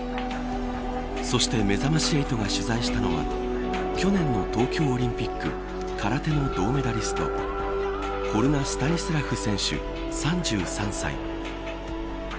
そしてめざまし８が取材したのは去年の東京オリンピック空手の銅メダリストホルナ・スタニスラフ選手３３歳。